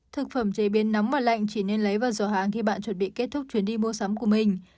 thực phẩm chế biến nóng và lạnh chỉ nên lấy vào dò hàng khi bạn chuẩn bị kết thúc chuyến đi mua sắm của mình